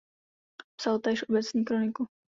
Psal též obecní kroniku.